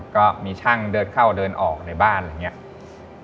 ก็มีช่างเดินเข้าเดินออกในบ้านอะไรอย่างนี้